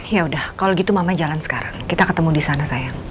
ya udah kalau gitu mama jalan sekarang kita ketemu di sana sayang